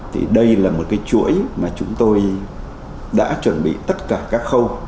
thì đây là một cái chuỗi mà chúng tôi đã chuẩn bị tất cả các khâu